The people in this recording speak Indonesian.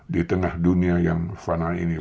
di tengah dunia yang final ini